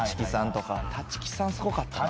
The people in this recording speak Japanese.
立木さんすごかったな。